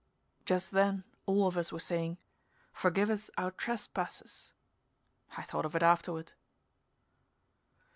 Just then all of us were saying, "Forgive us our trespasses " I thought of it afterward.